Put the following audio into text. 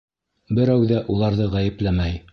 Берәү ҙә уларҙы ғәйепләмәй.